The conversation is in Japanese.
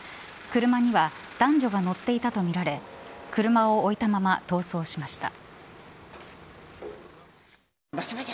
車には男女が乗っていたとみられ車を置いたまま逃走しました。